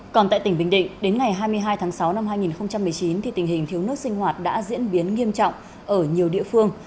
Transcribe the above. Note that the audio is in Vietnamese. còn tại tỉnh bình định đến ngày hai mươi hai tháng sáu năm hai nghìn một mươi chín tình hình thiếu nước sinh hoạt đã diễn biến nghiêm trọng ở nhiều địa phương